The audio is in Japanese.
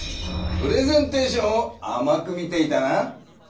プレゼンテーションをあまく見ていたな。